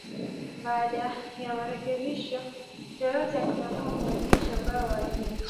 Baada ya marekebisho, Toyota iliamua kubadilisha ubao wa jina.